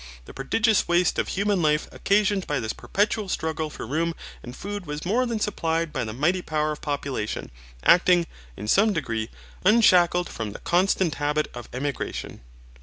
The prodigious waste of human life occasioned by this perpetual struggle for room and food was more than supplied by the mighty power of population, acting, in some degree, unshackled from the consent habit of emigration.